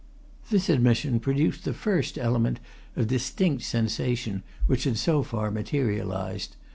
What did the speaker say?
This admission produced the first element of distinct sensation which had so far materialized.